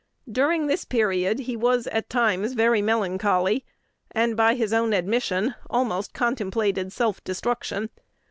During this period, "he was at times very melancholy," and, by his own admission, "almost contemplated self destruction."